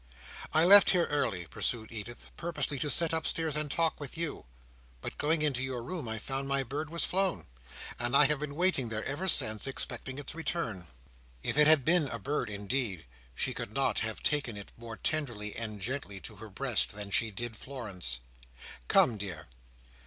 "I left here early," pursued Edith, "purposely to sit upstairs and talk with you. But, going to your room, I found my bird was flown, and I have been waiting there ever since, expecting its return. If it had been a bird, indeed, she could not have taken it more tenderly and gently to her breast, than she did Florence. "Come, dear!"